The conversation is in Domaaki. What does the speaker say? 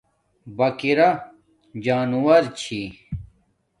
بکیرا جانوور چھی